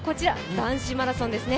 男子マラソンですね。